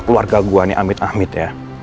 keluarga gue nih amit amit ya